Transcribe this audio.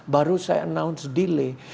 baru saya announce delay